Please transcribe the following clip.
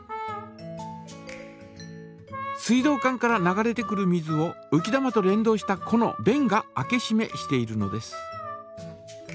水道管から流れてくる水をうき玉と連動したこのべんが開けしめしているのです。